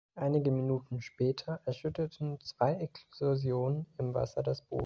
Einige Minuten später erschütterten zwei Explosionen im Wasser das Boot.